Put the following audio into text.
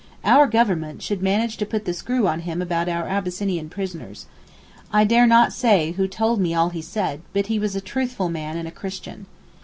Our Government should manage to put the screw on him about our Abyssinian prisoners. I dare not say who told me all he said, but he was a truthful man and a Christian.